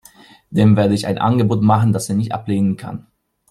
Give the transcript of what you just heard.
Dem werde ich ein Angebot machen, das er nicht ablehnen kann.